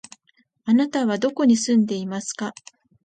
あなたはどこに住んでいますか？